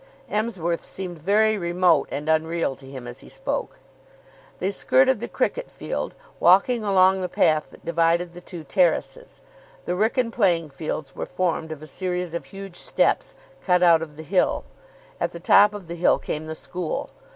Emsworth seemed very remote and unreal to him as he spoke. They skirted the cricket field, walking along the path that divided the two terraces. The Wrykyn playing fields were formed of a series of huge steps, cut out of the hill. At the top of the hill came the school.